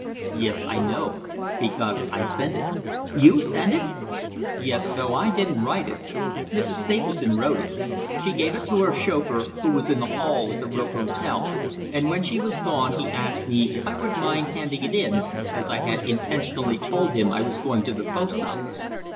"Yes, I know, because I sent it." "You sent it!" "Yes though I didn't write it. Mrs. Stapleton wrote it. She gave it to her chauffeur, who was in the hall at the Rook Hotel, and when she was gone he asked me if I would mind handing it in, as I had intentionally told him I was going to the post office.